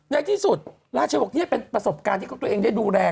ในที่สุดราชบอกนี่เป็นประสบการณ์ที่ตัวเองได้ดูแล